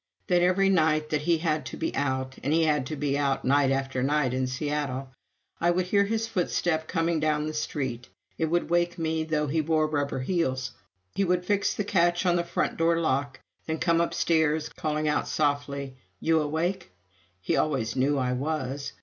Then, every night that he had to be out, and he had to be out night after night in Seattle, I would hear his footstep coming down the street; it would wake me, though he wore rubber heels. He would fix the catch on the front door lock, then come upstairs, calling out softly, "You awake?" He always knew I was.